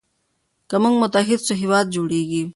که موږ متحد سو هیواد جوړیږي.